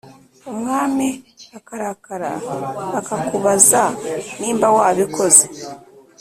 umwami akarakara akakubaza nimba wa bikoze